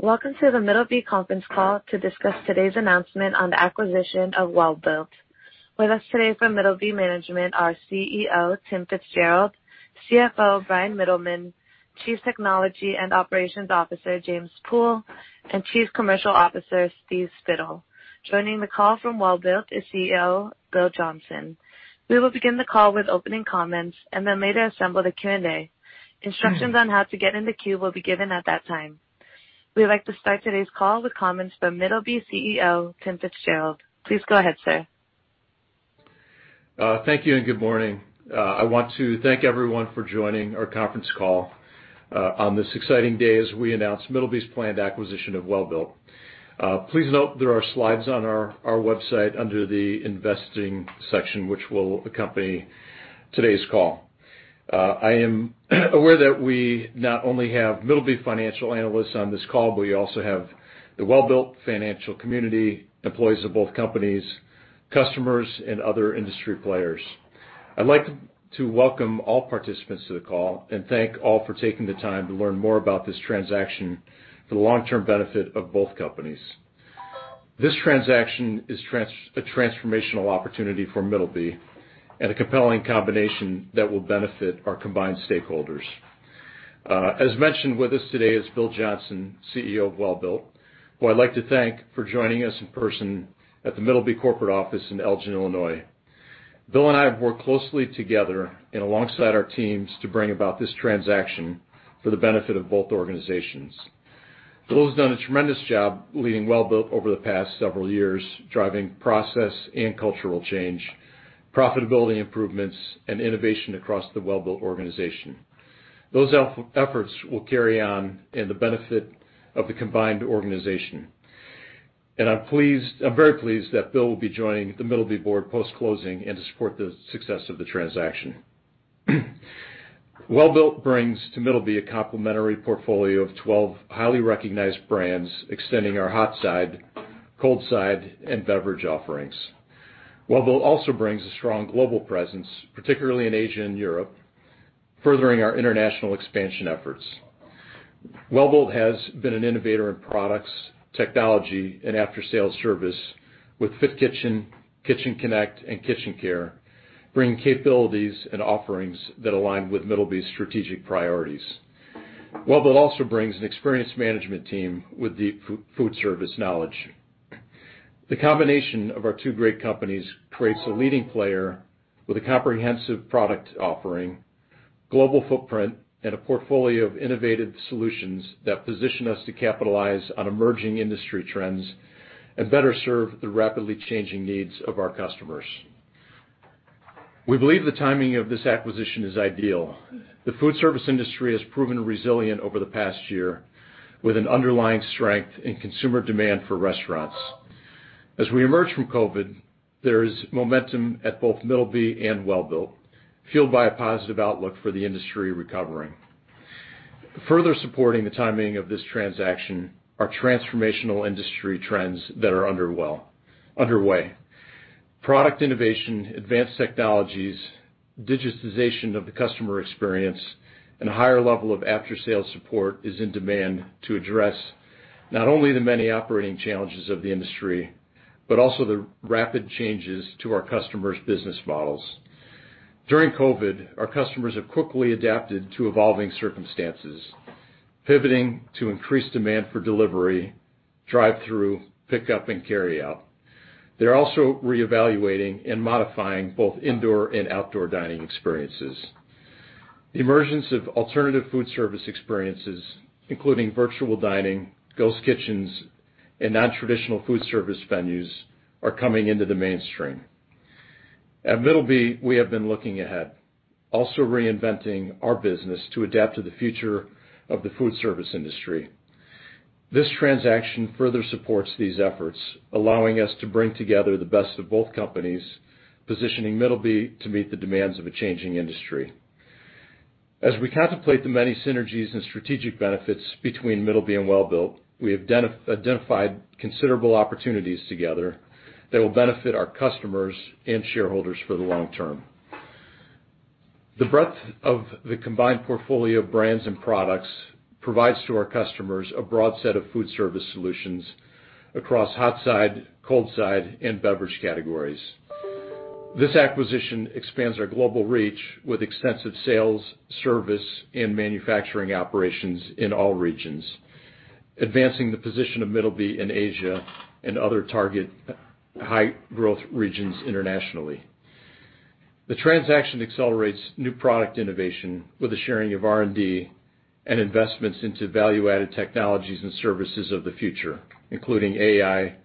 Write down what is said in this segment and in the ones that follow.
Welcome to the Middleby conference call to discuss today's announcement on the acquisition of Welbilt. With us today from Middleby management are CEO Tim FitzGerald, CFO Bryan Mittelman, Chief Technology and Operations Officer James Pool, and Chief Commercial Officer Steve Spittle. Joining the call from Welbilt is CEO Bill Johnson. We will begin the call with opening comments and then later assemble the Q&A. Instructions on how to get in the queue will be given at that time. We'd like to start today's call with comments from Middleby CEO Tim FitzGerald. Please go ahead, sir. Thank you and good morning. I want to thank everyone for joining our conference call on this exciting day as we announce Middleby's planned acquisition of Welbilt. Please note there are slides on our website under the investing section, which will accompany today's call. I am aware that we not only have Middleby financial analysts on this call, but we also have the Welbilt financial community, employees of both companies, customers, and other industry players. I'd like to welcome all participants to the call and thank all for taking the time to learn more about this transaction for the long-term benefit of both companies. This transaction is a transformational opportunity for Middleby and a compelling combination that will benefit our combined stakeholders. As mentioned, with us today is Bill Johnson, CEO of Welbilt, who I'd like to thank for joining us in person at the Middleby corporate office in Elgin, Illinois. Bill and I have worked closely together and alongside our teams to bring about this transaction for the benefit of both organizations. Bill has done a tremendous job leading Welbilt over the past several years, driving process and cultural change, profitability improvements, and innovation across the Welbilt organization. Those efforts will carry on in the benefit of the combined organization. I'm very pleased that Bill will be joining the Middleby board post-closing and to support the success of the transaction. Welbilt brings to Middleby a complimentary portfolio of 12 highly recognized brands extending our hot side, cold side, and beverage offerings. Welbilt also brings a strong global presence, particularly in Asia and Europe, furthering our international expansion efforts. Welbilt has been an innovator in products, technology, and after-sales service with FitKitchen, KitchenConnect, and KitchenCare, bringing capabilities and offerings that align with Middleby's strategic priorities. Welbilt also brings an experienced management team with deep foodservice knowledge. The combination of our two great companies creates a leading player with a comprehensive product offering, global footprint, and a portfolio of innovative solutions that position us to capitalize on emerging industry trends and better serve the rapidly changing needs of our customers. We believe the timing of this acquisition is ideal. The foodservice industry has proven resilient over the past year with an underlying strength in consumer demand for restaurants. As we emerge from COVID, there is momentum at both Middleby and Welbilt, fueled by a positive outlook for the industry recovering. Further supporting the timing of this transaction are transformational industry trends that are underway. Product innovation, advanced technologies, digitization of the customer experience, and a higher level of after-sales support is in demand to address not only the many operating challenges of the industry, but also the rapid changes to our customers' business models. During COVID, our customers have quickly adapted to evolving circumstances, pivoting to increased demand for delivery, drive-through, pick-up, and carryout. They're also reevaluating and modifying both indoor and outdoor dining experiences. The emergence of alternative foodservice experiences, including virtual dining, ghost kitchens, and non-traditional foodservice venues, are coming into the mainstream. At Middleby, we have been looking ahead, also reinventing our business to adapt to the future of the foodservice industry. This transaction further supports these efforts, allowing us to bring together the best of both companies, positioning Middleby to meet the demands of a changing industry. As we contemplate the many synergies and strategic benefits between Middleby and Welbilt, we have identified considerable opportunities together that will benefit our customers and shareholders for the long term. The breadth of the combined portfolio of brands and products provides to our customers a broad set of foodservice solutions across hot side, cold side, and beverage categories. This acquisition expands our global reach with extensive sales, service, and manufacturing operations in all regions, advancing the position of Middleby in Asia and other target high-growth regions internationally. The transaction accelerates new product innovation with a sharing of R&D and investments into value-added technologies and services of the future, including AI,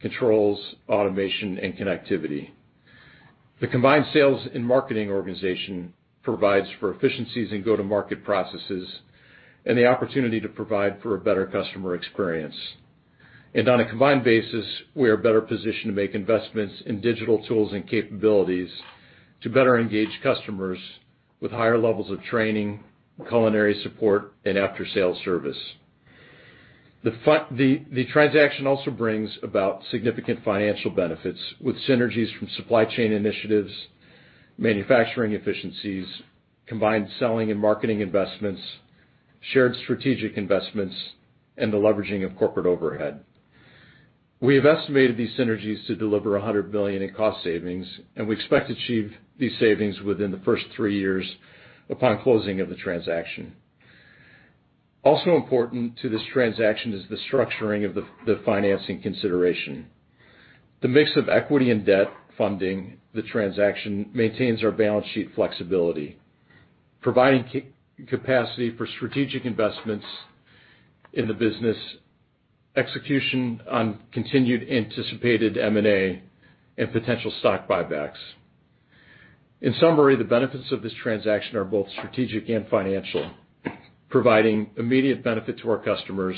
controls, automation, and connectivity. The combined sales and marketing organization provides for efficiencies in go-to-market processes and the opportunity to provide for a better customer experience. On a combined basis, we are better positioned to make investments in digital tools and capabilities to better engage customers with higher levels of training, culinary support, and after-sales service. The transaction also brings about significant financial benefits with synergies from supply chain initiatives, manufacturing efficiencies. Combined selling and marketing investments, shared strategic investments, and the leveraging of corporate overhead. We have estimated these synergies to deliver $100 million in cost savings, and we expect to achieve these savings within the first three years upon closing of the transaction. Also important to this transaction is the structuring of the financing consideration. The mix of equity and debt funding the transaction maintains our balance sheet flexibility, providing capacity for strategic investments in the business, execution on continued anticipated M&A, and potential stock buybacks. In summary, the benefits of this transaction are both strategic and financial, providing immediate benefit to our customers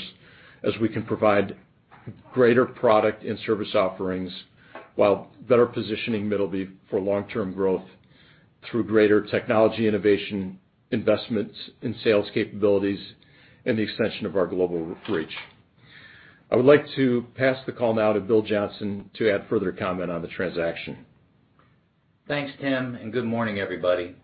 as we can provide greater product and service offerings while better positioning Middleby for long-term growth through greater technology innovation, investments in sales capabilities, and the extension of our global reach. I would like to pass the call now to Bill Johnson to add further comment on the transaction. Thanks, Tim. Good morning, everybody.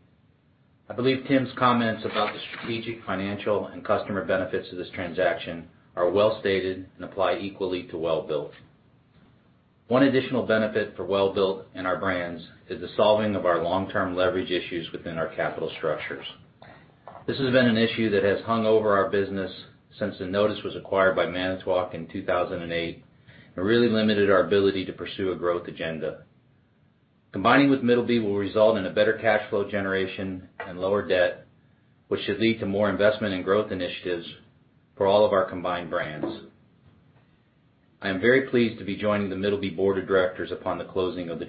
I believe Tim's comments about the strategic, financial, and customer benefits of this transaction are well-stated and apply equally to Welbilt. One additional benefit for Welbilt and our brands is the solving of our long-term leverage issues within our capital structures. This has been an issue that has hung over our business since the Enodis was acquired by Manitowoc in 2008 and really limited our ability to pursue a growth agenda. Combining with Middleby will result in a better cash flow generation and lower debt, which should lead to more investment in growth initiatives for all of our combined brands. I am very pleased to be joining the Middleby Board of Directors upon the closing of the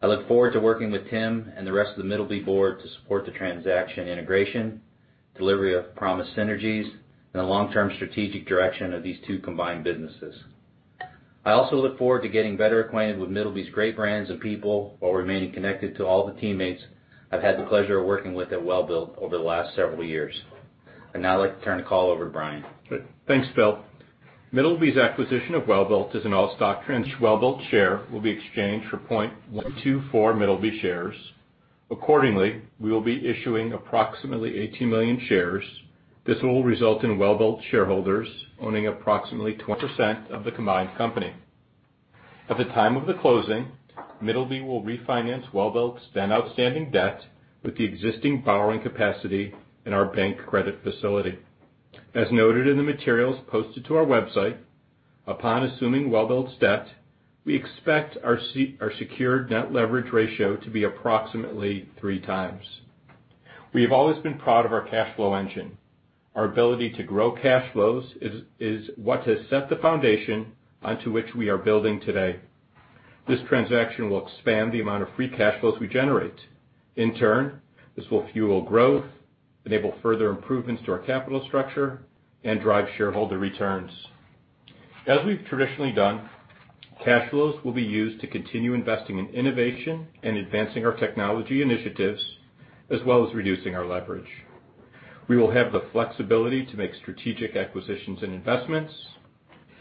transaction. I look forward to working with Tim and the rest of the Middleby Board to support the transaction integration, delivery of promised synergies, and the long-term strategic direction of these two combined businesses. I also look forward to getting better acquainted with Middleby's great brands and people while remaining connected to all the teammates I've had the pleasure of working with at Welbilt over the last several years. I'd now like to turn the call over to Bryan. Good. Thanks, Bill. Middleby's acquisition of Welbilt is an all-stock transfer. Welbilt share will be exchanged for 0.1240x Middleby shares. Accordingly, we will be issuing approximately 18 million shares. This will result in Welbilt shareholders owning approximately 20% of the combined company. At the time of the closing, Middleby will refinance Welbilt's then outstanding debt with the existing borrowing capacity in our bank credit facility. As noted in the materials posted to our website, upon assuming Welbilt's debt, we expect our secured net leverage ratio to be approximately 3x. We have always been proud of our cash flow engine. Our ability to grow cash flows is what has set the foundation onto which we are building today. This transaction will expand the amount of free cash flows we generate. In turn, this will fuel growth, enable further improvements to our capital structure, and drive shareholder returns. As we've traditionally done, cash flows will be used to continue investing in innovation and advancing our technology initiatives, as well as reducing our leverage. We will have the flexibility to make strategic acquisitions and investments,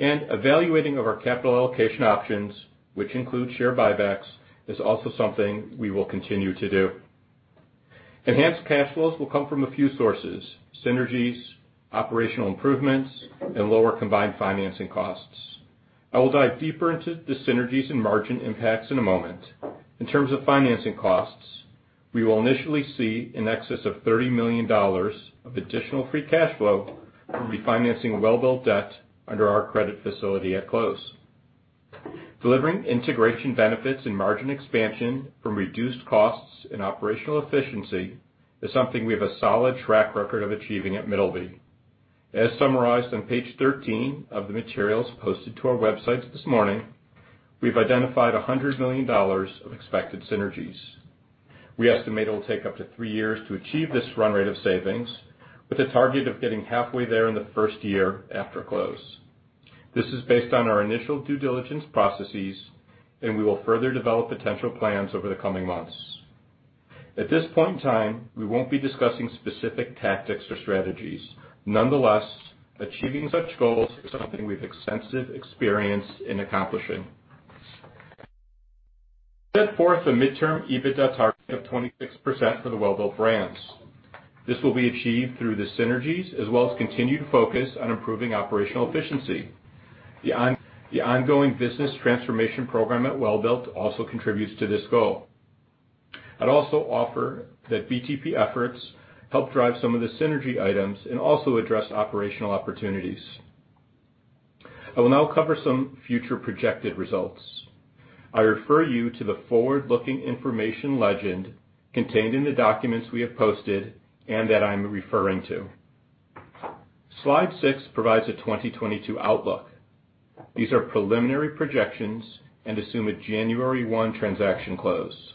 and evaluating of our capital allocation options, which include share buybacks, is also something we will continue to do. Enhanced cash flows will come from a few sources: synergies, operational improvements, and lower combined financing costs. I will dive deeper into the synergies and margin impacts in a moment. In terms of financing costs, we will initially see in excess of $30 million of additional free cash flow from refinancing Welbilt debt under our credit facility at close. Delivering integration benefits and margin expansion from reduced costs and operational efficiency is something we have a solid track record of achieving at Middleby. As summarized on page 13 of the materials posted to our website this morning, we've identified $100 million of expected synergies. We estimate it will take up to three years to achieve this run rate of savings with a target of getting halfway there in the first year after close. This is based on our initial due diligence processes, and we will further develop potential plans over the coming months. At this point in time, we won't be discussing specific tactics or strategies. Nonetheless, achieving such goals is something we've extensive experience in accomplishing. We set forth a midterm EBITDA target of 26% for the Welbilt brands. This will be achieved through the synergies as well as continued focus on improving operational efficiency. The ongoing Business Transformation Program at Welbilt also contributes to this goal. I'd also offer that BTP efforts help drive some of the synergy items and also address operational opportunities. I will now cover some future projected results. I refer you to the forward-looking information legend contained in the documents we have posted and that I'm referring to. Slide six provides a 2022 outlook. These are preliminary projections and assume a January 1 transaction close.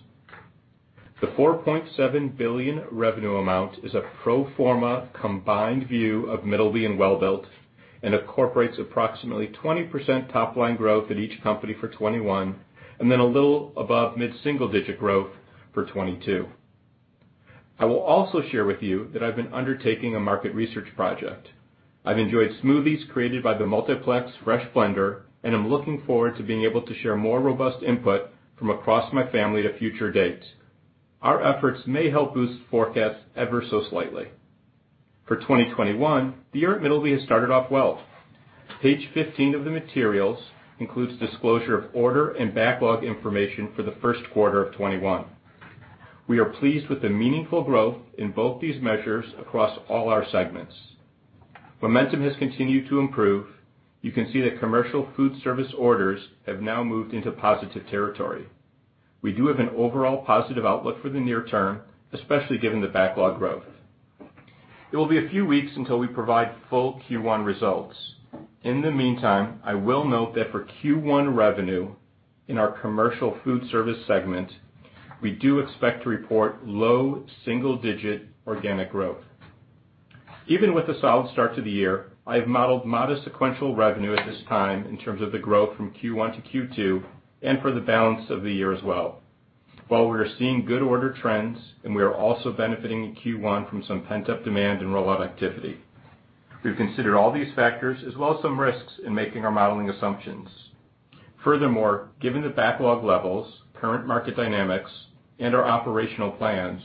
The $4.7 billion revenue amount is a pro forma combined view of Middleby and Welbilt and incorporates approximately 20% top-line growth at each company for 2021, and then a little above mid-single digit growth for 2022. I will also share with you that I've been undertaking a market research project. I've enjoyed smoothies created by the Multiplex Fresh Blender, and I'm looking forward to being able to share more robust input from across my family at a future date. Our efforts may help boost forecasts ever so slightly. For 2021, the year at Middleby has started off well. Page 15 of the materials includes disclosure of order and backlog information for the first quarter of 2021. We are pleased with the meaningful growth in both these measures across all our segments. Momentum has continued to improve. You can see that Commercial Foodservice orders have now moved into positive territory. We do have an overall positive outlook for the near term, especially given the backlog growth. It will be a few weeks until we provide full Q1 results. In the meantime, I will note that for Q1 revenue in our Commercial Foodservice segment, we do expect to report low single-digit organic growth. Even with a solid start to the year, I have modeled modest sequential revenue at this time in terms of the growth from Q1 to Q2, and for the balance of the year as well. While we are seeing good order trends, we are also benefiting in Q1 from some pent-up demand and rollout activity. We've considered all these factors as well as some risks in making our modeling assumptions. Furthermore, given the backlog levels, current market dynamics, and our operational plans,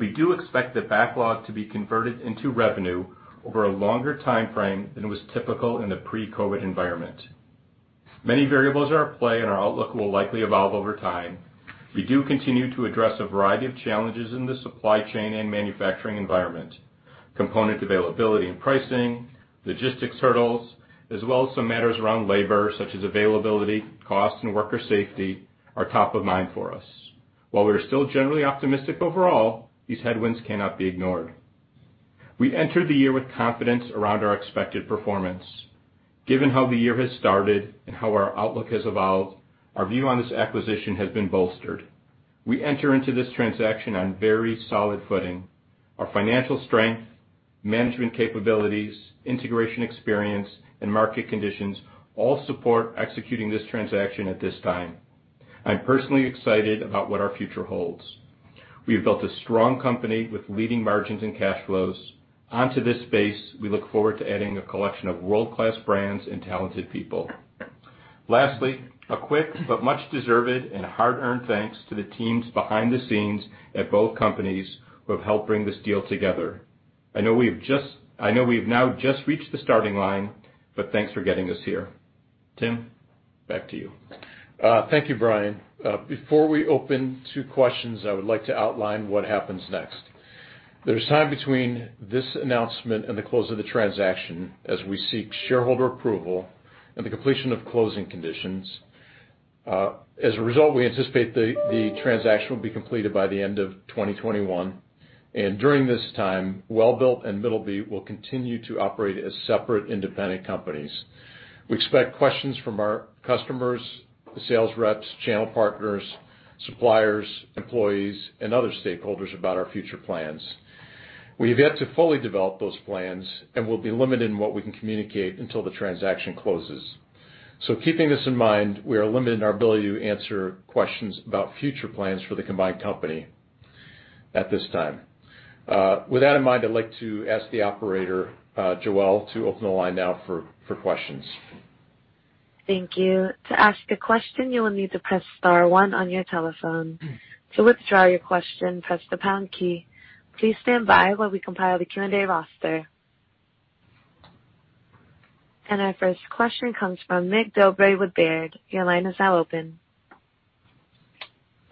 we do expect the backlog to be converted into revenue over a longer timeframe than was typical in the pre-COVID environment. Many variables are at play, our outlook will likely evolve over time. We do continue to address a variety of challenges in the supply chain and manufacturing environment. Component availability and pricing, logistics hurdles, as well as some matters around labor, such as availability, cost, and worker safety are top of mind for us. While we are still generally optimistic overall, these headwinds cannot be ignored. We entered the year with confidence around our expected performance. Given how the year has started and how our outlook has evolved, our view on this acquisition has been bolstered. We enter into this transaction on very solid footing. Our financial strength, management capabilities, integration experience, and market conditions all support executing this transaction at this time. I'm personally excited about what our future holds. We have built a strong company with leading margins and cash flows. Onto this base, we look forward to adding a collection of world-class brands and talented people. Lastly, a quick but much-deserved and hard-earned thanks to the teams behind the scenes at both companies who have helped bring this deal together. I know we've now just reached the starting line, but thanks for getting us here. Tim, back to you. Thank you, Bryan. Before we open to questions, I would like to outline what happens next. There's time between this announcement and the close of the transaction as we seek shareholder approval and the completion of closing conditions. As a result, we anticipate the transaction will be completed by the end of 2021. During this time, Welbilt and Middleby will continue to operate as separate independent companies. We expect questions from our customers, the sales reps, channel partners, suppliers, employees, and other stakeholders about our future plans. We have yet to fully develop those plans and will be limited in what we can communicate until the transaction closes. Keeping this in mind, we are limited in our ability to answer questions about future plans for the combined company at this time. With that in mind, I'd like to ask the operator, Joelle, to open the line now for questions. Thank you. To ask a question, you will need to press star one on your telephone. To withdraw your question, press the pound key. Please stand by while we compile the Q&A roster. Our first question comes from Mig Dobre with Baird. Your line is now open.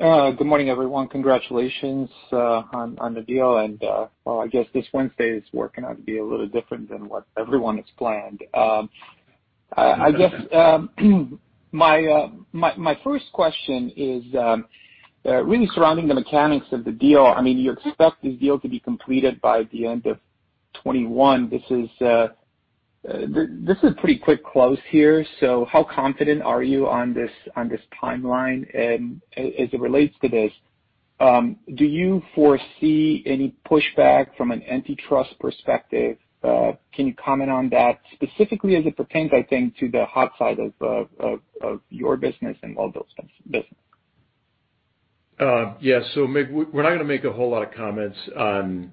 Good morning, everyone. Congratulations on the deal, well, I guess this Wednesday is working out to be a little different than what everyone has planned. My first question is really surrounding the mechanics of the deal. You expect this deal to be completed by the end of 2021. This is a pretty quick close here, how confident are you on this timeline? As it relates to this, do you foresee any pushback from an antitrust perspective? Can you comment on that specifically as it pertains, I think, to the hot side of your business and Welbilt's business? Yeah. Mig, we're not going to make a whole lot of comments on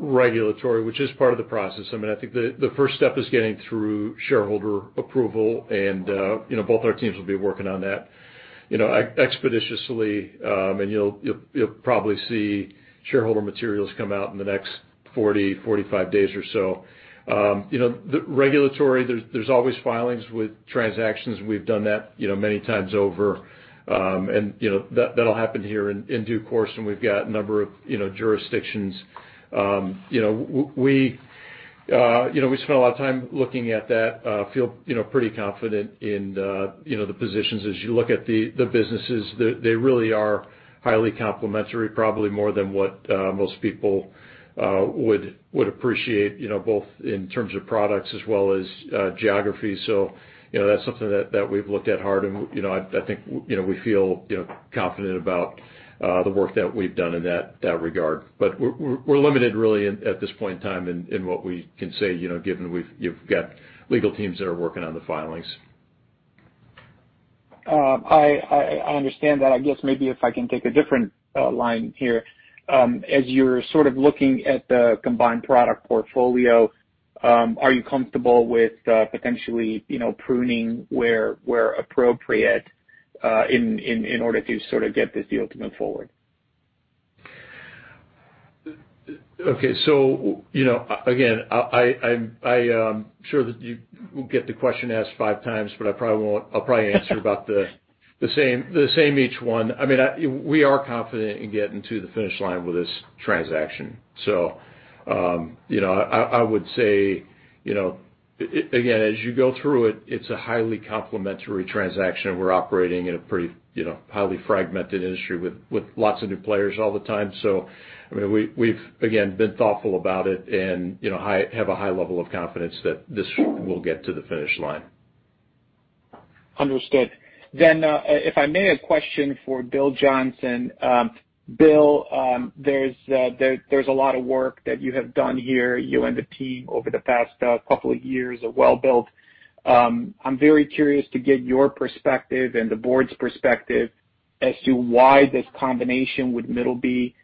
regulatory, which is part of the process. I think the first step is getting through shareholder approval, both our teams will be working on that expeditiously. You'll probably see shareholder materials come out in the next 40, 45 days or so. Regulatory, there's always filings with transactions. We've done that many times over, that'll happen here in due course, we've got a number of jurisdictions. We spent a lot of time looking at that. Feel pretty confident in the positions. As you look at the businesses, they really are highly complementary, probably more than what most people would appreciate both in terms of products as well as geography. That's something that we've looked at hard, I think we feel confident about the work that we've done in that regard. We're limited really at this point in time in what we can say, given you've got legal teams that are working on the filings. I understand that. I guess maybe if I can take a different line here. As you're looking at the combined product portfolio, are you comfortable with potentially pruning where appropriate, in order to get this deal to move forward? Okay. Again, I'm sure that you will get the question asked five times, but I'll probably answer about the same each one. We are confident in getting to the finish line with this transaction. I would say, again, as you go through it's a highly complementary transaction. We're operating in a pretty highly fragmented industry with lots of new players all the time. We've, again, been thoughtful about it and have a high level of confidence that this will get to the finish line. Understood. If I may, a question for Bill Johnson. Bill, there's a lot of work that you have done here, you and the team, over the past couple of years at Welbilt. I'm very curious to get your perspective and the board's perspective as to why this combination with Middleby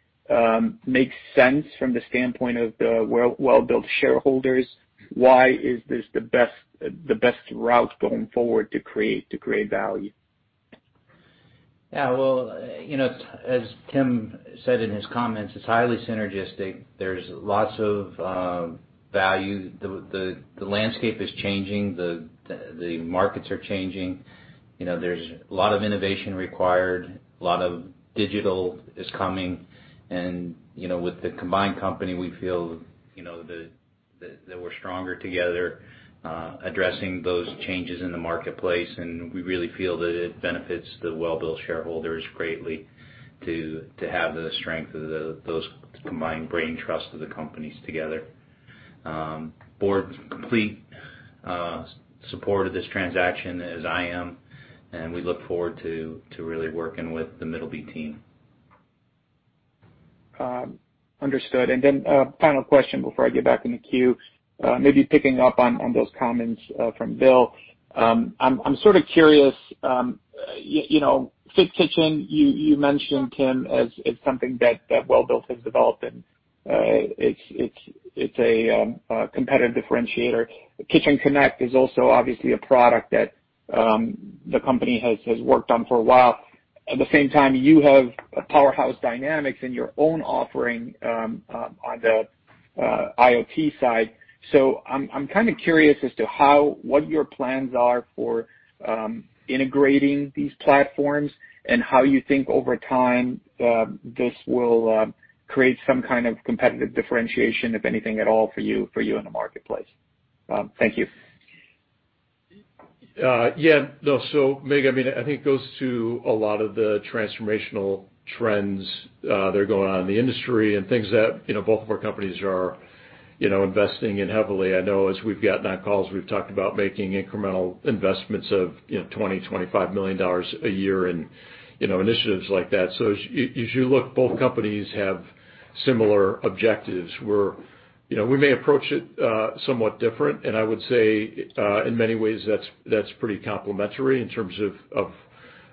makes sense from the standpoint of the Welbilt shareholders. Why is this the best route going forward to create value? Yeah. Well, as Tim said in his comments, it's highly synergistic. There's lots of value. The landscape is changing. The markets are changing. There's a lot of innovation required. A lot of digital is coming, and with the combined company, we feel that we're stronger together addressing those changes in the marketplace, and we really feel that it benefits the Welbilt shareholders greatly to have the strength of those combined brain trusts of the companies together. Board's complete support of this transaction, as I am, and we look forward to really working with the Middleby team. Understood. A final question before I get back in the queue. Maybe picking up on those comments from Bill, I'm sort of curious. FitKitchen, you mentioned, Tim, as something that Welbilt has developed and it's a competitive differentiator. KitchenConnect is also obviously a product that the company has worked on for a while. At the same time, you have Powerhouse Dynamics in your own offering on the IoT side. I'm kind of curious as to what your plans are for integrating these platforms and how you think over time this will create some kind of competitive differentiation, if anything at all, for you in the marketplace. Thank you. Yeah. No. Mig, I think it goes to a lot of the transformational trends that are going on in the industry and things that both of our companies are investing in heavily. I know as we've got on calls, we've talked about making incremental investments of $20 million, $25 million a year in initiatives like that. As you look, both companies have similar objectives. We may approach it somewhat different, and I would say, in many ways, that's pretty complementary in terms of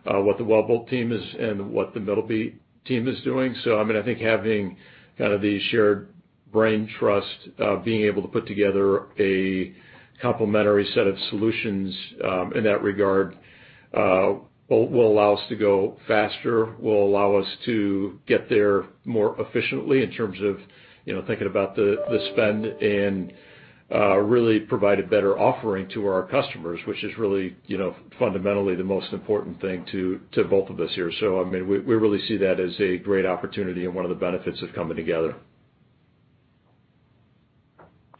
what the Welbilt team is and what the Middleby team is doing. I think having kind of the shared brain trust of being able to put together a complementary set of solutions in that regard will allow us to go faster, will allow us to get there more efficiently in terms of thinking about the spend and really provide a better offering to our customers, which is really fundamentally the most important thing to both of us here. We really see that as a great opportunity and one of the benefits of coming together.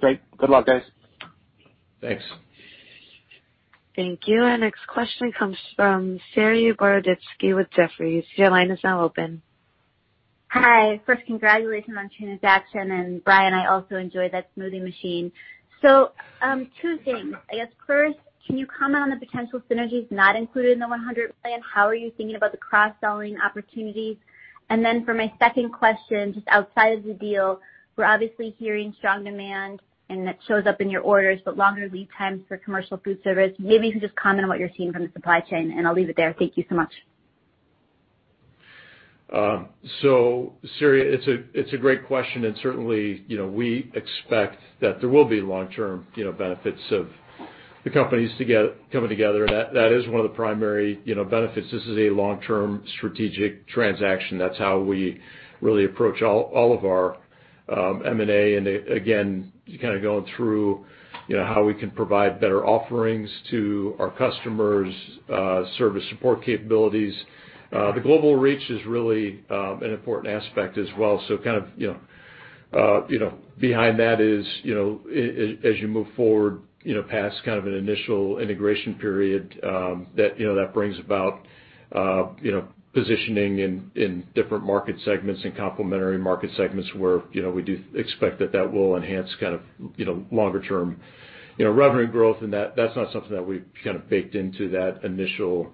Great. Good luck, guys. Thanks. Thank you. Our next question comes from Saree Boroditsky with Jefferies. Your line is now open. Hi. First, congratulations on the transaction, and Bryan, I also enjoy that smoothie machine. Two things. I guess first, can you comment on the potential synergies not included in the $100 million? How are you thinking about the cross-selling opportunities? For my second question, just outside of the deal, we're obviously hearing strong demand, and that shows up in your orders, but longer lead times for Commercial Foodservice. Maybe you can just comment on what you're seeing from the supply chain, and I'll leave it there. Thank you so much. Saree, it's a great question, and certainly, we expect that there will be long-term benefits of the companies coming together, and that is one of the primary benefits. This is a long-term strategic transaction. That's how we really approach all of our M&A. Again, kind of going through how we can provide better offerings to our customers, service support capabilities. The global reach is really an important aspect as well. Behind that is, as you move forward, past kind of an initial integration period, that brings about positioning in different market segments and complementary market segments where we do expect that that will enhance longer-term revenue growth. That's not something that we've kind of baked into that initial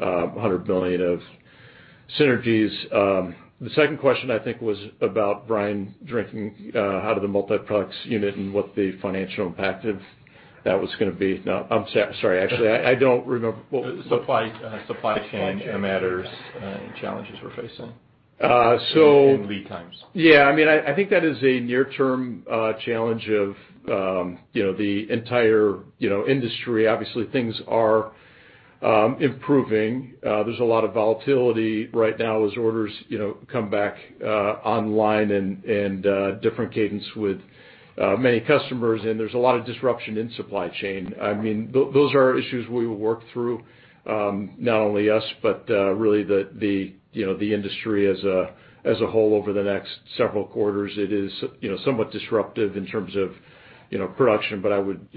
$100 million of synergies. The second question, I think, was about Bryan drinking out of the Multiplex unit and what the financial impact of that was going to be. No, I'm sorry. Actually, I don't remember. Supply chain matters and challenges we're facing. So— Lead times. Yeah, I think that is a near-term challenge of the entire industry. Obviously, things are improving. There's a lot of volatility right now as orders come back online and different cadence with many customers, and there's a lot of disruption in supply chain. Those are issues we will work through, not only us, but really the industry as a whole over the next several quarters. It is somewhat disruptive in terms of production. I would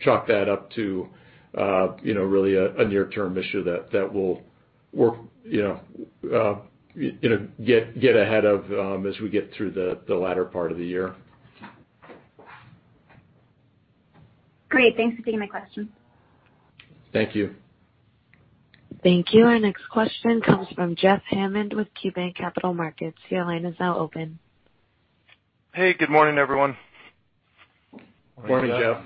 chalk that up to really a near-term issue that we'll get ahead of as we get through the latter part of the year. Great. Thanks for taking my question. Thank you. Thank you. Our next question comes from Jeff Hammond with KeyBanc Capital Markets. Hey, good morning, everyone. Morning, Jeff.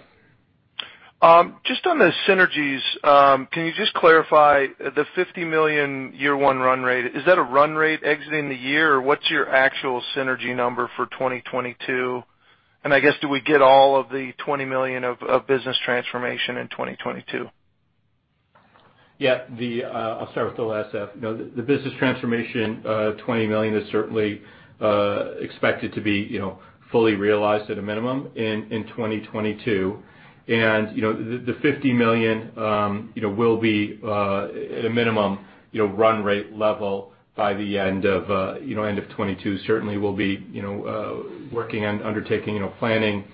Just on the synergies, can you just clarify the $50 million year one run rate? Is that a run rate exiting the year, or what's your actual synergy number for 2022? I guess, do we get all of the $20 million of Business Transformation in 2022? Yeah. I'll start with the last half. The Business Transformation, $20 million, is certainly expected to be fully realized at a minimum in 2022. The $50 million will be at a minimum run rate level by the end of 2022. Certainly, we'll be working on undertaking planning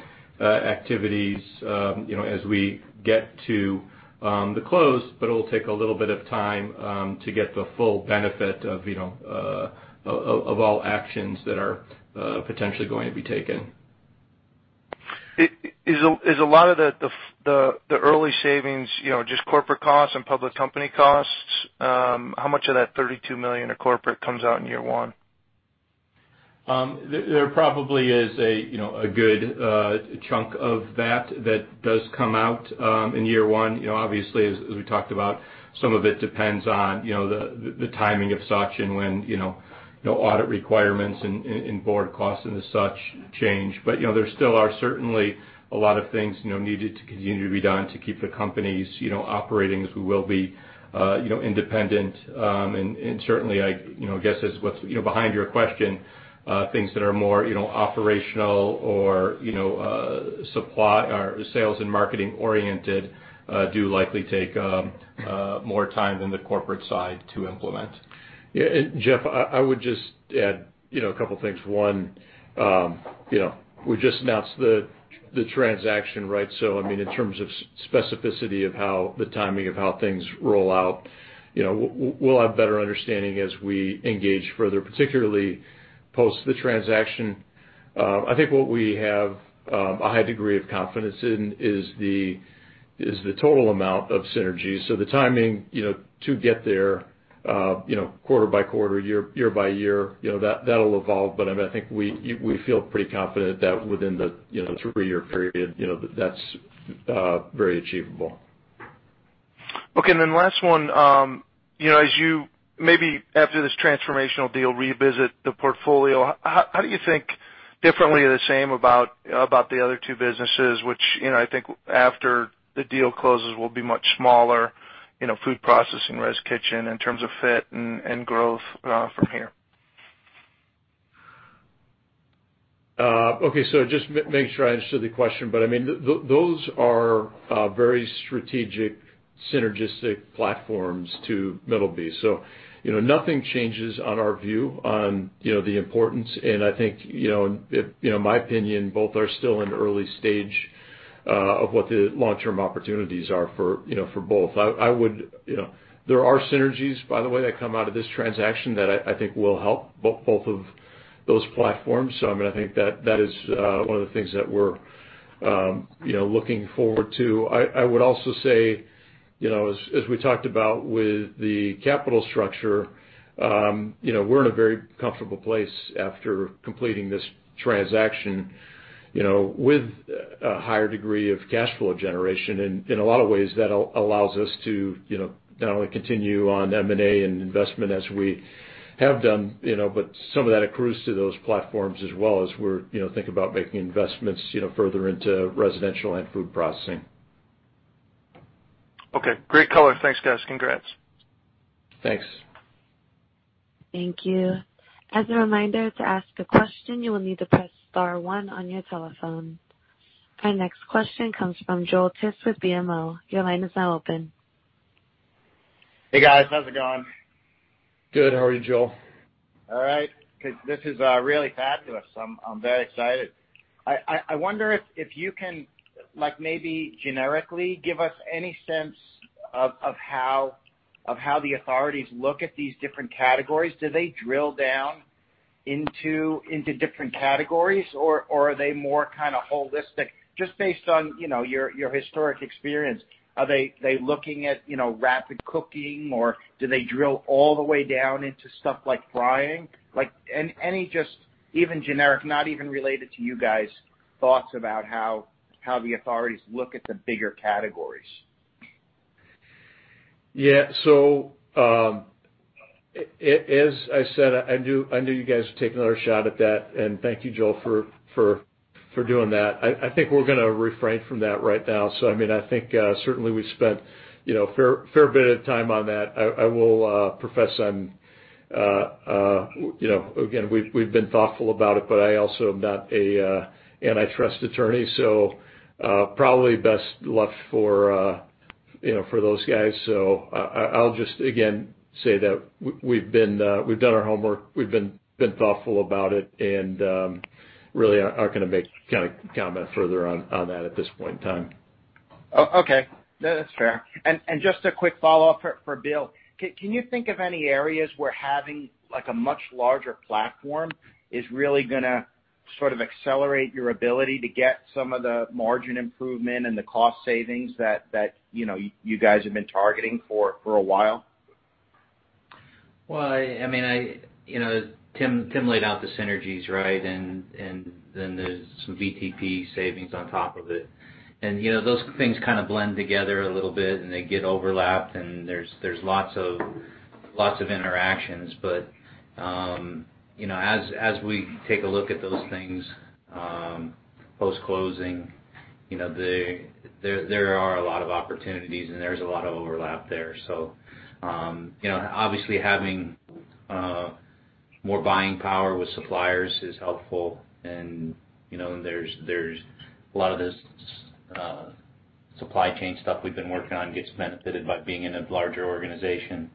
activities as we get to the close, but it'll take a little bit of time to get the full benefit of all actions that are potentially going to be taken. Is a lot of the early savings just corporate costs and public company costs? How much of that $32 million of corporate comes out in year one? There probably is a good chunk of that that does come out in year one. Obviously, as we talked about, some of it depends on the timing of such and when audit requirements and board costs and the such change. There still are certainly a lot of things needed to continue to be done to keep the companies operating as we will be independent. Certainly, I guess it's what's behind your question, things that are more operational or sales and marketing oriented do likely take more time than the corporate side to implement. Yeah. Jeff, I would just add a couple of things. One, we just announced the transaction, right? In terms of specificity of the timing of how things roll out, we'll have a better understanding as we engage further, particularly post the transaction. I think what we have a high degree of confidence in is the total amount of synergies. The timing to get there quarter by quarter, year by year, that'll evolve. I think we feel pretty confident that within the three-year period, that's very achievable. Okay, last one. As you, maybe after this transformational deal, revisit the portfolio, how do you think differently or the same about the other two businesses, which I think after the deal closes, will be much smaller, Food Processing, Resi Kitchen, in terms of fit and growth from here? Just making sure I understood the question, those are very strategic, synergistic platforms to Middleby. Nothing changes on our view on the importance, and I think, my opinion, both are still in early stage of what the long-term opportunities are for both. There are synergies, by the way, that come out of this transaction that I think will help both of those platforms. I think that is one of the things that we're looking forward to. I would also say, as we talked about with the capital structure, we're in a very comfortable place after completing this transaction with a higher degree of cash-flow generation. In a lot of ways, that allows us to not only continue on M&A and investment as we have done, but some of that accrues to those platforms as well as we're thinking about making investments further into Residential and Food Processing. Okay, great color. Thanks, guys. Congrats. Thanks. Thank you. As a reminder, to ask a question, you will need to press star one on your telephone. Our next question comes from Joel Tiss with BMO. Your line is now open. Hey, guys. How's it going? Good. How are you, Joel? All right. This is really fabulous. I'm very excited. I wonder if you can maybe generically give us any sense of how the authorities look at these different categories. Do they drill down into different categories? Are they more holistic just based on your historic experience? Are they looking at rapid cooking, or do they drill all the way down into stuff like frying? Any just even generic, not even related to you guys, thoughts about how the authorities look at the bigger categories. Yeah. As I said, I know you guys will take another shot at that, and thank you, Joel, for doing that. I think we're going to refrain from that right now. I think certainly we spent a fair bit of time on that. I will profess, again, we've been thoughtful about it, but I also am not a antitrust attorney, so probably best luck for those guys. I'll just, again, say that we've done our homework, we've been thoughtful about it, and really aren't going to make comment further on that at this point in time. Oh, okay. No, that's fair. Just a quick follow-up for Bill. Can you think of any areas where having a much larger platform is really going to accelerate your ability to get some of the margin improvement and the cost savings that you guys have been targeting for a while? Well, Tim laid out the synergies, right? There's some BTP savings on top of it. Those things kind of blend together a little bit, and they get overlapped, and there's lots of interactions. As we take a look at those things post-closing, there are a lot of opportunities, and there's a lot of overlap there. Obviously, having more buying power with suppliers is helpful. There's a lot of this supply chain stuff we've been working on gets benefited by being in a larger organization.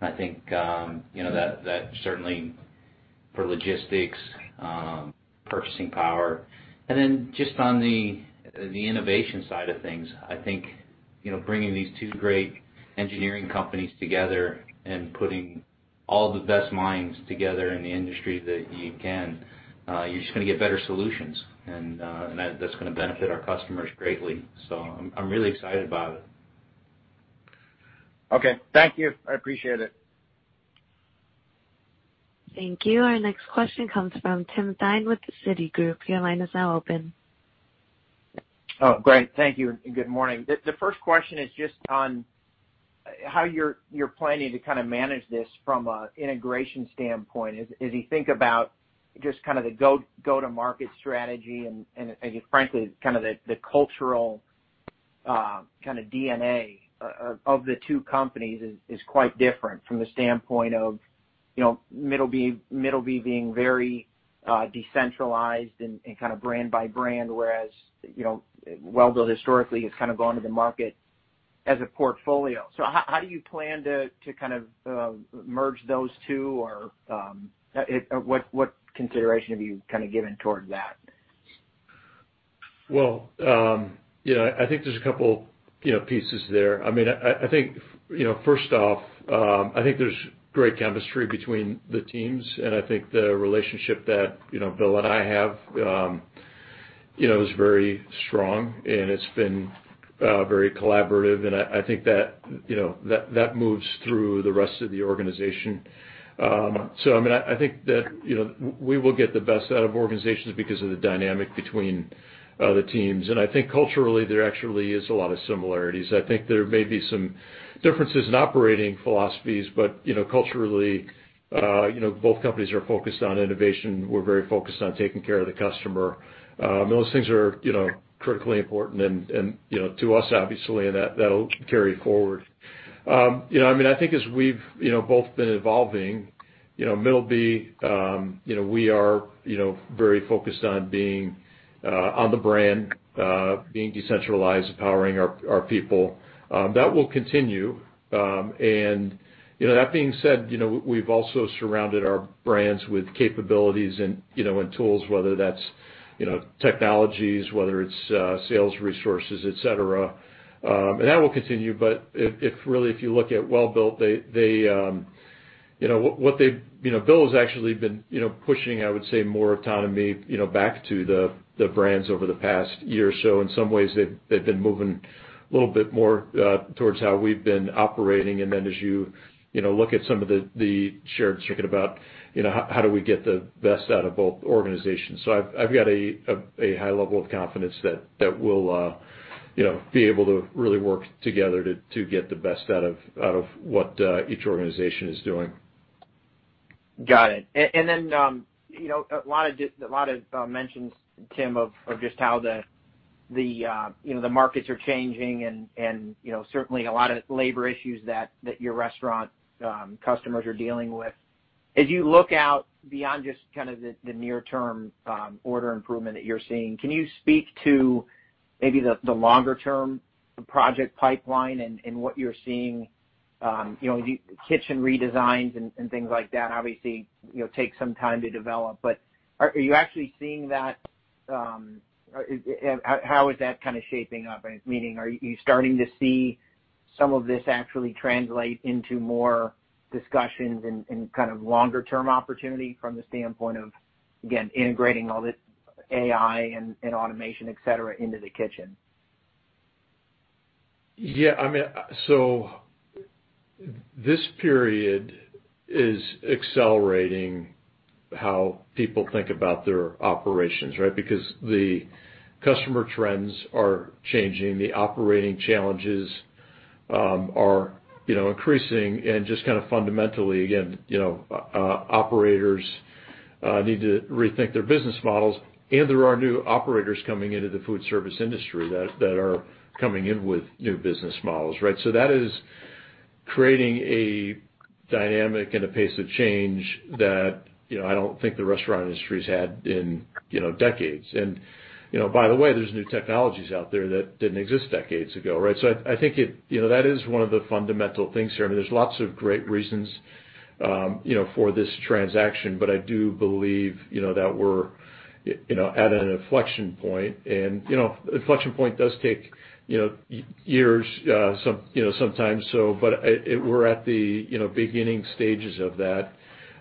I think that certainly for logistics, purchasing power. Just on the innovation side of things, I think, bringing these two great engineering companies together and putting all the best minds together in the industry that you can, you're just going to get better solutions. That's going to benefit our customers greatly. I'm really excited about it. Okay. Thank you. I appreciate it. Thank you. Our next question comes from Tim Thein with Citigroup. Your line is now open. Oh, great. Thank you and good morning. The first question is just on how you're planning to manage this from an integration standpoint. As you think about just the go-to-market strategy and, frankly, the cultural DNA of the two companies is quite different from the standpoint of Middleby being very decentralized and brand by brand, whereas Welbilt historically has gone to the market as a portfolio. How do you plan to merge those two, or what consideration have you given towards that? Well, I think there's a couple pieces there. First off, I think there's great chemistry between the teams, and I think the relationship that Bill and I have is very strong, and it's been very collaborative, and I think that moves through the rest of the organization. I think that we will get the best out of organizations because of the dynamic between the teams. I think culturally, there actually is a lot of similarities. I think there may be some differences in operating philosophies, but culturally, both companies are focused on innovation. We're very focused on taking care of the customer. Those things are critically important to us, obviously, and that'll carry forward. I think as we've both been evolving, Middleby, we are very focused on being on the brand, being decentralized, empowering our people. That will continue. That being said, we've also surrounded our brands with capabilities and tools, whether that's technologies, whether it's sales resources, et cetera, and that will continue. Really, if you look at Welbilt, Bill has actually been pushing, I would say, more autonomy back to the brands over the past year or so. In some ways, they've been moving a little bit more towards how we've been operating. As you look at some of the shared synergy about how do we get the best out of both organizations. I've got a high level of confidence that we'll be able to really work together to get the best out of what each organization is doing. Got it. Then, a lot of mentions, Tim, of just how the markets are changing and certainly a lot of labor issues that your restaurant customers are dealing with. As you look out beyond just the near-term order improvement that you're seeing, can you speak to maybe the longer-term project pipeline and what you're seeing? The kitchen redesigns and things like that obviously take some time to develop. Are you actually seeing that? How is that shaping up? Meaning, are you starting to see some of this actually translate into more discussions and kind of longer term opportunity from the standpoint of, again, integrating all this AI and automation, et cetera, into the kitchen. This period is accelerating how people think about their operations, right? Because the customer trends are changing, the operating challenges are increasing and just kind of fundamentally, again, operators need to rethink their business models, and there are new operators coming into the foodservice industry that are coming in with new business models, right? That is creating a dynamic and a pace of change that I don't think the restaurant industry's had in decades. By the way, there's new technologies out there that didn't exist decades ago, right? I think that is one of the fundamental things here. There's lots of great reasons for this transaction, but I do believe that we're at an inflection point, and an inflection point does take years sometimes. We're at the beginning stages of that.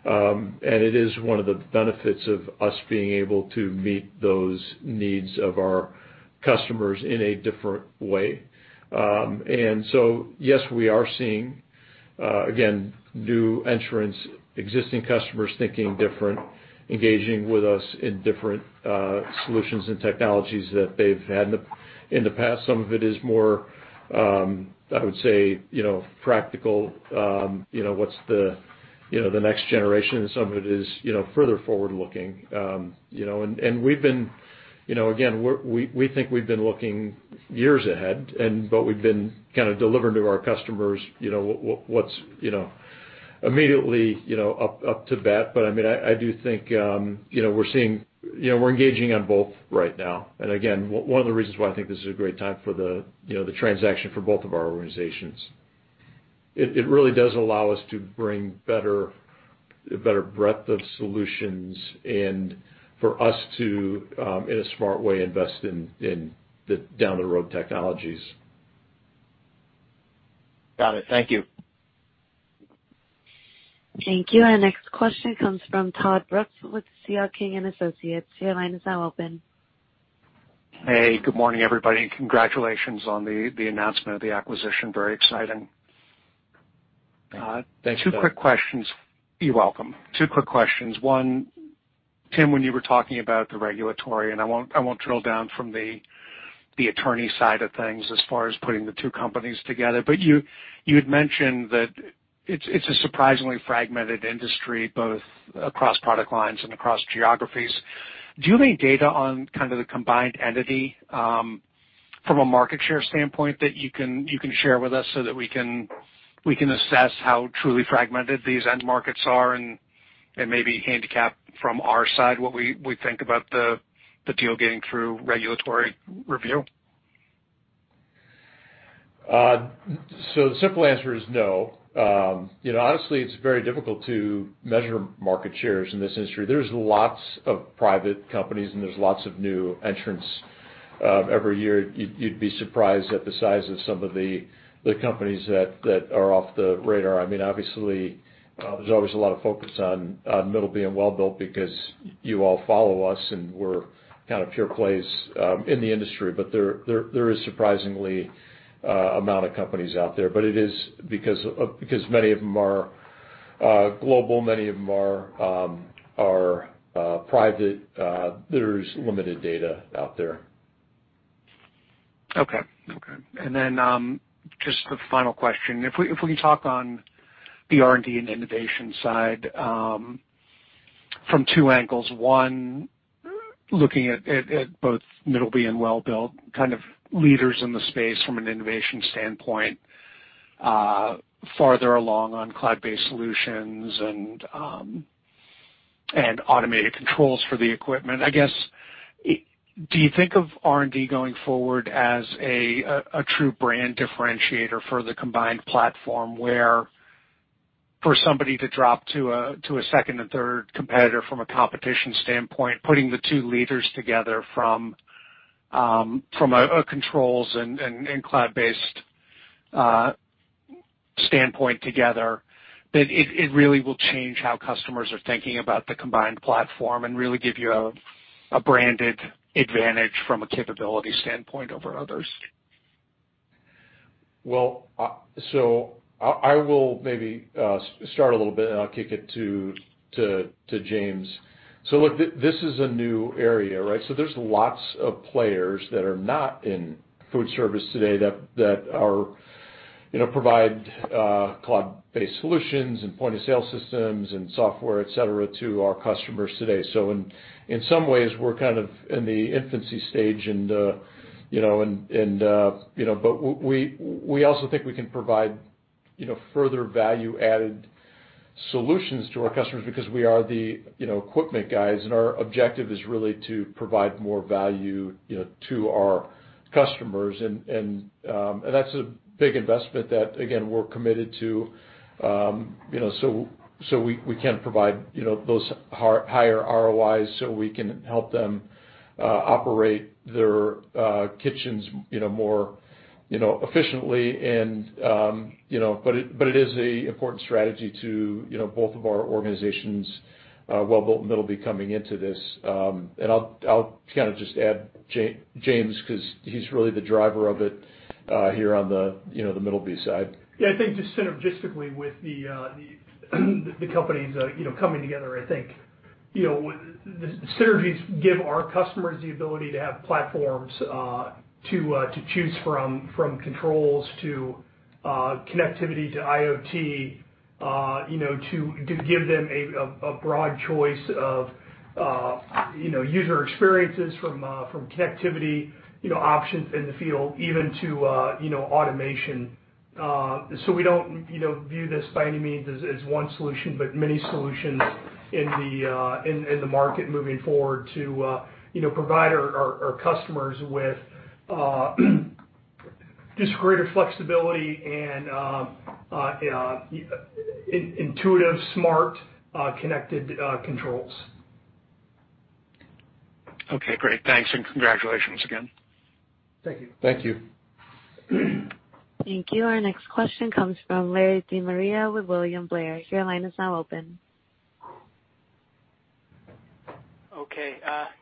It is one of the benefits of us being able to meet those needs of our customers in a different way. Yes, we are seeing, again, new entrants, existing customers thinking different, engaging with us in different solutions and technologies that they've had in the past. Some of it is more, I would say, practical. What's the next generation? Some of it is further forward-looking. Again, we think we've been looking years ahead, but we've been kind of delivering to our customers what's immediately up to bat. I do think we're engaging on both right now. Again, one of the reasons why I think this is a great time for the transaction for both of our organizations. It really does allow us to bring a better breadth of solutions and for us to, in a smart way, invest in the down the road technologies. Got it. Thank you. Thank you. Our next question comes from Todd Brooks with C.L. King & Associates. Your line is now open. Hey, good morning, everybody, and congratulations on the announcement of the acquisition. Very exciting. Thanks, Todd. Two quick questions. You're welcome. Two quick questions. One, Tim, when you were talking about the regulatory, I won't drill down from the attorney side of things as far as putting the two companies together, but you'd mentioned that it's a surprisingly fragmented industry, both across product lines and across geographies. Do you have any data on kind of the combined entity, from a market share standpoint that you can share with us so that we can assess how truly fragmented these end markets are, and maybe handicap from our side what we think about the deal getting through regulatory review? The simple answer is no. Honestly, it's very difficult to measure market shares in this industry. There's lots of private companies and there's lots of new entrants every year. You'd be surprised at the size of some of the companies that are off the radar. There's always a lot of focus on Middleby and Welbilt because you all follow us, and we're kind of pure plays in the industry. There is surprising amount of companies out there. It is because many of them are global, many of them are private. There's limited data out there. Okay. Just the final question. If we talk on the R&D and innovation side from two angles, one, looking at both Middleby and Welbilt, kind of leaders in the space from an innovation standpoint, farther along on cloud-based solutions and automated controls for the equipment. I guess, do you think of R&D going forward as a true brand differentiator for the combined platform, where for somebody to drop to a second and third competitor from a competition standpoint, putting the two leaders together from a controls and cloud-based standpoint together, that it really will change how customers are thinking about the combined platform and really give you a branded advantage from a capability standpoint over others? I will maybe start a little bit, and I'll kick it to James. Look, this is a new area, right? There's lots of players that are not in foodservice today that provide cloud-based solutions and point-of-sale systems and software, et cetera, to our customers today. In some ways, we're kind of in the infancy stage, but we also think we can provide further value-added solutions to our customers because we are the equipment guys, and our objective is really to provide more value to our customers. That's a big investment that, again, we're committed to so we can provide those higher ROIs, so we can help them operate their kitchens more efficiently. It is an important strategy to both of our organizations Welbilt and Middleby coming into this. I'll kind of just add James, because he's really the driver of it here on the Middleby side. Yeah, I think just synergistically with the companies coming together, I think the synergies give our customers the ability to have platforms to choose from controls to connectivity to IoT, to give them a broad choice of user experiences from connectivity options in the field, even to automation. We don't view this by any means as one solution, but many solutions in the market moving forward to provide our customers with just greater flexibility and intuitive, smart, connected controls. Okay, great. Thanks, and congratulations again. Thank you. Thank you. Thank you. Our next question comes from Larry De Maria with William Blair. Your line is now open. Okay.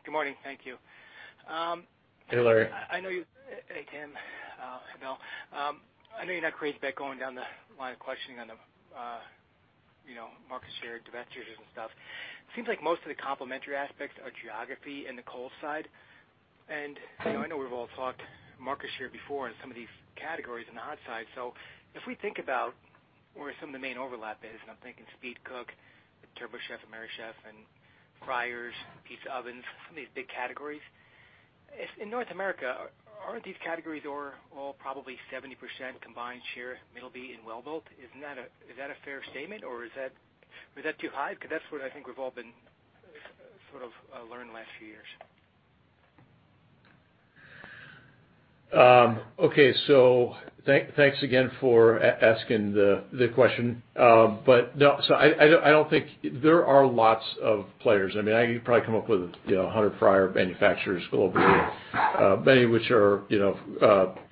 Good morning. Thank you. Hey, Larry. Hey, Tim. Hello. I know you're not crazy about going down the line of questioning on the market share, divestitures, and stuff. It seems like most of the complementary aspects are geography in the cold side. I know we've all talked market share before in some of these categories in the hot side. If we think about where some of the main overlap is, and I'm thinking speed cook with TurboChef, Merrychef, and fryers, pizza ovens, some of these big categories. In North America, aren't these categories are all probably 70% combined share Middleby and Welbilt? Is that a fair statement, or is that too high? That's what I think we've all been sort of learned in the last few years. Okay. Thanks again for asking the question. No, there are lots of players. I mean, you can probably come up with 100 fryer manufacturers globally.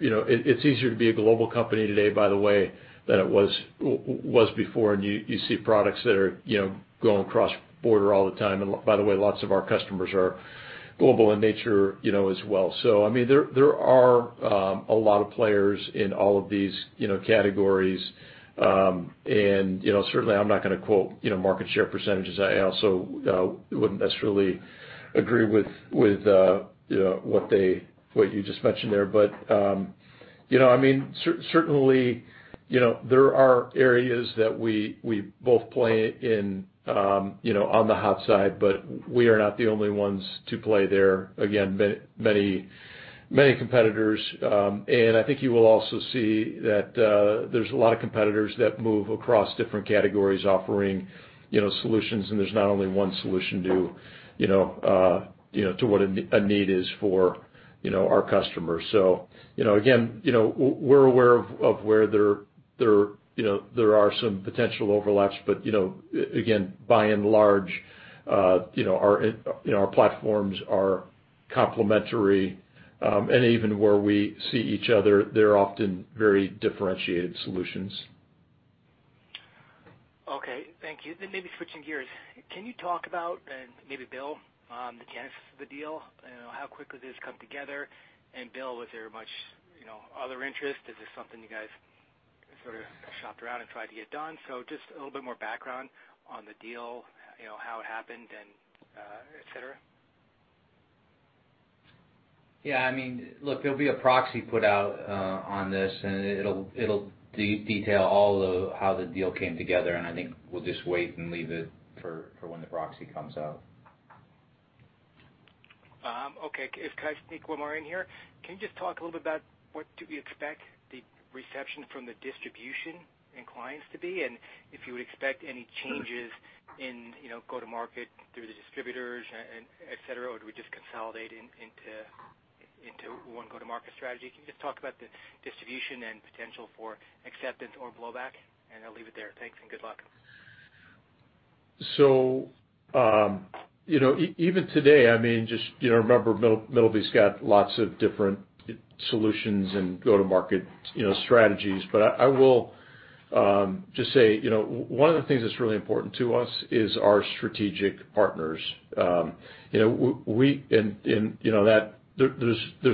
It's easier to be a global company today, by the way, than it was before. You see products that are going across border all the time. By the way, lots of our customers are global in nature as well. I mean, there are a lot of players in all of these categories. Certainly, I'm not going to quote market share percentages. I also wouldn't necessarily agree with what you just mentioned there. Certainly, there are areas that we both play in on the hot side, but we are not the only ones to play there. Many competitors. I think you will also see that there's a lot of competitors that move across different categories offering solutions. There's not only one solution to what a need is for our customers. Again, we're aware of where there are some potential overlaps. Again, by and large our platforms are complementary. Even where we see each other, they're often very differentiated solutions. Okay. Thank you. Maybe switching gears, can you talk about, and maybe Bill, the genesis of the deal, how quickly this come together? Bill, was there much other interest? Is this something you guys sort of shopped around and tried to get done? Just a little bit more background on the deal, how it happened, and et cetera. Yeah, there'll be a proxy put out on this, and it'll detail all of how the deal came together, and I think we'll just wait and leave it for when the proxy comes out. Okay. Can I sneak one more in here? Can you just talk a little bit about what do we expect the reception from the distribution and clients to be, and if you would expect any changes in go-to-market through the distributors, and et cetera, or do we just consolidate into one go-to-market strategy? Can you just talk about the distribution and potential for acceptance or blowback, and I'll leave it there. Thanks, and good luck. Even today, just remember Middleby's got lots of different solutions and go-to-market strategies. I will just say, one of the things that's really important to us is our strategic partners. There's a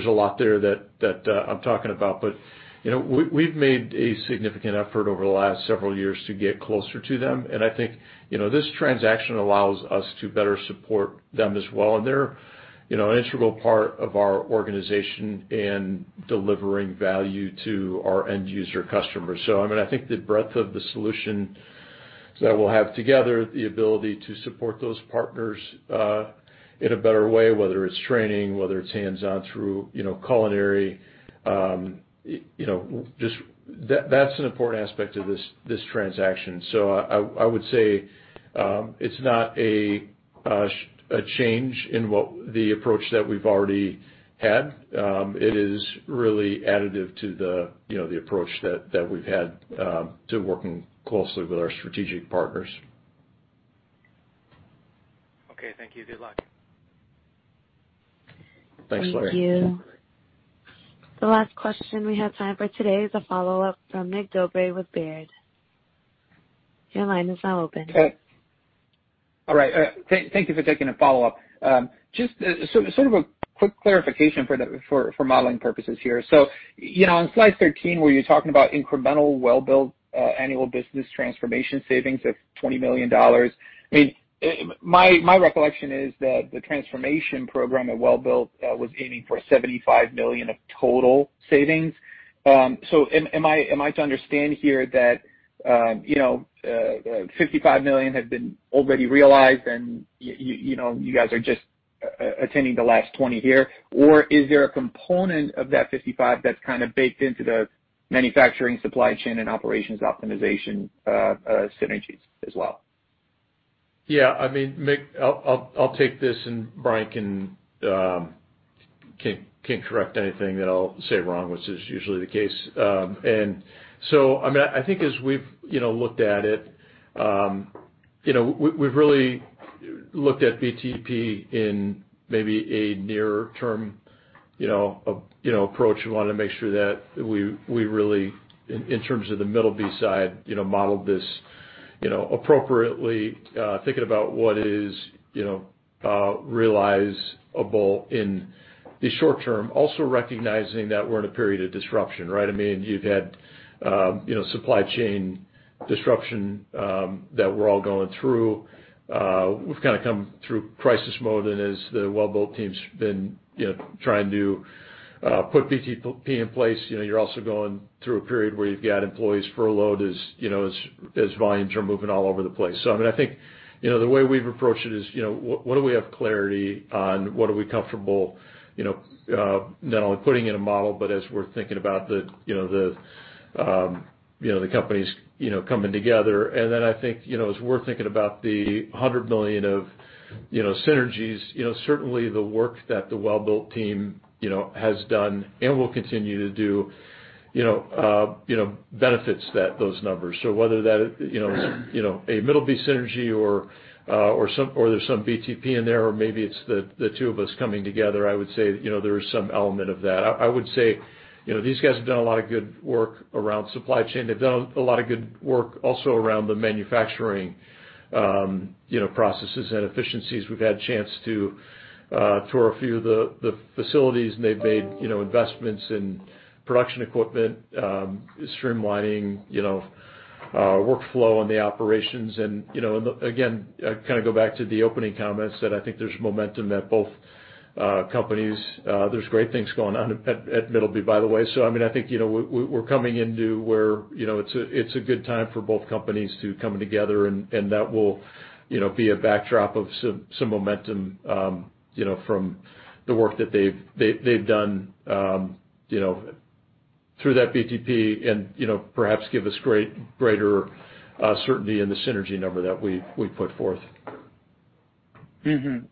lot there that I'm talking about, but we've made a significant effort over the last several years to get closer to them. I think this transaction allows us to better support them as well, and they're an integral part of our organization in delivering value to our end user customers. I think the breadth of the solutions that we'll have together, the ability to support those partners, in a better way, whether it's training, whether it's hands-on through culinary, that's an important aspect of this transaction. I would say, it's not a change in the approach that we've already had. It is really additive to the approach that we've had to working closely with our strategic partners. Okay, thank you. Good luck. Thanks, Larry. Thank you. The last question we have time for today is a follow-up from Mig Dobre with Baird. Your line is now open. Okay. All right. Thank you for taking a follow-up. Just sort of a quick clarification for modeling purposes here. On slide 13, where you're talking about incremental Welbilt annual Business Transformation Program savings of $20 million. My recollection is that the Transformation Program at Welbilt was aiming for $75 million of total savings. Am I to understand here that, $55 million had been already realized, and you guys are just attending the last $20 million here? Or is there a component of that $55 million that's kind of baked into the manufacturing supply chain and operations optimization synergies as well? Yeah. Mig, I'll take this, and Bryan can correct anything that I'll say wrong, which is usually the case. I think as we've looked at it, we've really looked at BTP in maybe a nearer term approach. We wanted to make sure that we really, in terms of the Middleby side, modeled this appropriately, thinking about what is realizable in the short term. Also recognizing that we're in a period of disruption, right? You've had supply chain disruption that we're all going through. We've kind of come through crisis mode. As the Welbilt team's been trying to put BTP in place, you're also going through a period where you've got employees furloughed as volumes are moving all over the place. I think, the way we've approached it is, what do we have clarity on? What are we comfortable not only putting in a model, but as we're thinking about the companies coming together? Then I think, as we're thinking about the $100 million of synergies, certainly the work that the Welbilt team has done and will continue to do benefits those numbers. Whether that is a Middleby synergy or there's some BTP in there, or maybe it's the two of us coming together, I would say there is some element of that. I would say, these guys have done a lot of good work around supply chain. They've done a lot of good work also around the manufacturing processes and efficiencies. We've had a chance to tour a few of the facilities, and they've made investments in production equipment, streamlining workflow on the operations. Again, kind of go back to the opening comments, that I think there's momentum at both companies. There's great things going on at Middleby, by the way. I think we're coming into where it's a good time for both companies to come together, and that will be a backdrop of some momentum from the work that they've done through that BTP. Perhaps give us greater certainty in the synergy number that we put forth.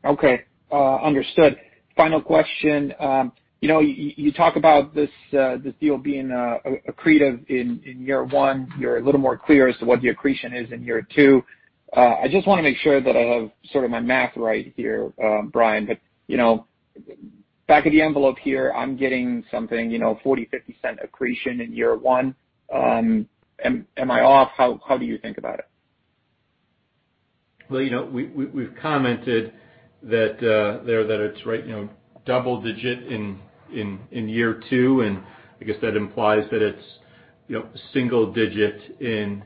Okay. Understood. Final question. You talk about this deal being accretive in year one. You're a little more clear as to what the accretion is in year two. I just want to make sure that I have sort of my math right here, Bryan. Back of the envelope here, I'm getting something, $0.40-$0.50 accretion in year one. Am I off? How do you think about it? Well, we've commented that it's double-digit in year two, and I guess that implies that it's single-digit in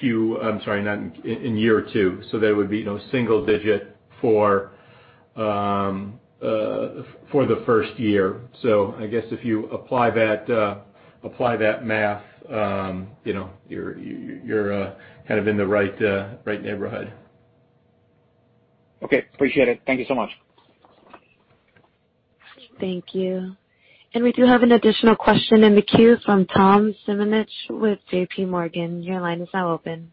year two. That would be single-digit for the first year. I guess if you apply that math, you're kind of in the right neighborhood. Okay. Appreciate it. Thank you so much. Thank you. We do have an additional question in the queue from Tom Simonitsch with JPMorgan. Your line is now open.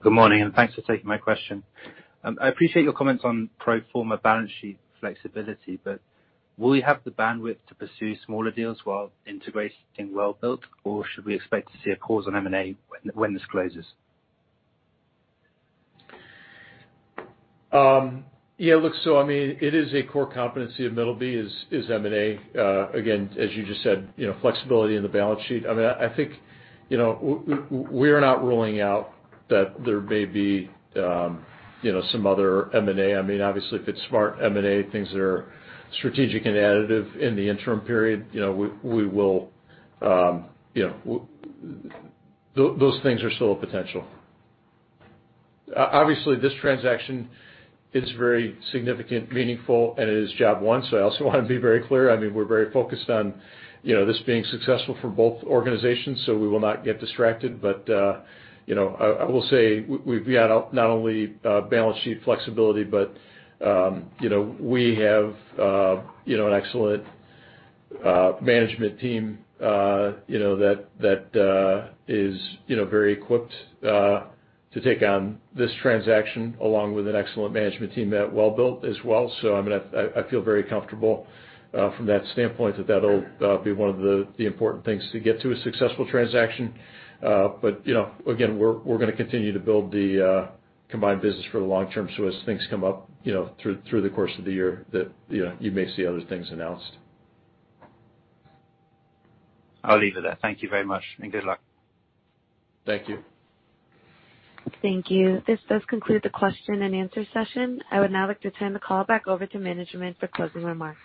Good morning, thanks for taking my question. I appreciate your comments on pro forma balance sheet flexibility, will you have the bandwidth to pursue smaller deals while integrating Welbilt, or should we expect to see a pause on M&A when this closes? It is a core competency of Middleby, is M&A. As you just said, flexibility in the balance sheet. I think we are not ruling out that there may be some other M&A. If it's smart M&A, things that are strategic and additive in the interim period, those things are still a potential. This transaction is very significant, meaningful, and it is job one. I also want to be very clear, we're very focused on this being successful for both organizations, so we will not get distracted. I will say, we've got not only balance sheet flexibility, but we have an excellent management team that is very equipped to take on this transaction, along with an excellent management team at Welbilt as well. I feel very comfortable from that standpoint, that that'll be one of the important things to get to a successful transaction. Again, we're going to continue to build the combined business for the long term. As things come up through the course of the year, that you may see other things announced. I'll leave it there. Thank you very much. Good luck. Thank you. Thank you. This does conclude the question-and-answer session. I would now like to turn the call back over to management for closing remarks.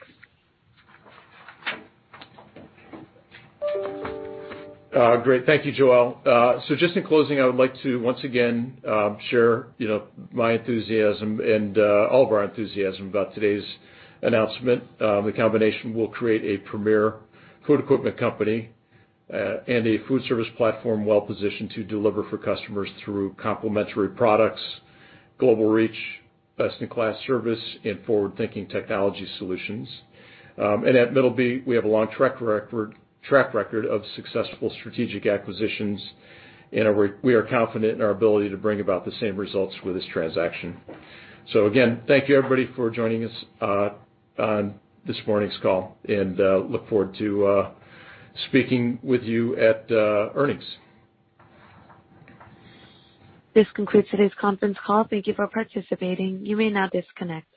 Great. Thank you, Joelle. Just in closing, I would like to once again share my enthusiasm and all of our enthusiasm about today's announcement. The combination will create a premier food equipment company and a foodservice platform well-positioned to deliver for customers through complementary products, global reach, best-in-class service, and forward-thinking technology solutions. At Middleby, we have a long track record of successful strategic acquisitions, and we are confident in our ability to bring about the same results with this transaction. Again, thank you, everybody, for joining us on this morning's call, and look forward to speaking with you at earnings. This concludes today's conference call. Thank you for participating. You may now disconnect.